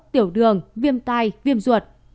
tiểu đường viêm tai viêm ruột